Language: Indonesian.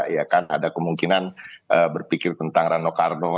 ya kan ada kemungkinan berpikir tentang rano karno